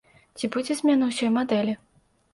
Ці будзе змена ўсёй мадэлі?